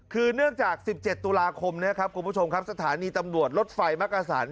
คือเนื่องจาก๑๗ตุลาคมสถานีตำรวจรถไฟมักอาสาร